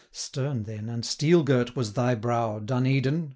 Stern then, and steel girt was thy brow, Dun Edin!